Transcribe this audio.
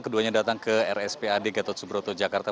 keduanya datang ke rspad gatot subroto jakarta